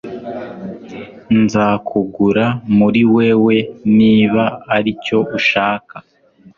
Nzakugura muri wewe niba aricyo ushaka